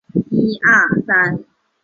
前田公辉主演。